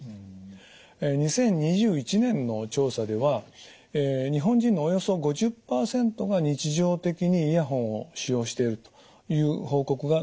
２０２１年の調査では日本人のおよそ５０％が日常的にイヤホンを使用しているという報告がなされております。